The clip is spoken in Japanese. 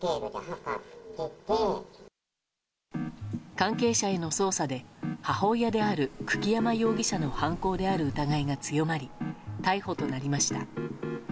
関係者への捜査で母親である久木山容疑者の犯行である疑いが強まり逮捕となりました。